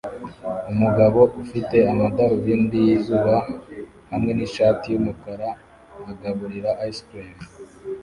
Umugabo ufite amadarubindi yizuba hamwe nishati yumukara agaburira ice cream